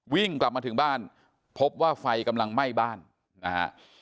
วิ่งกลับมาถึงบ้านพบว่าไฟกำลังไหม้บ้านนะฮะ